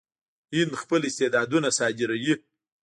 هند خپل استعدادونه صادروي.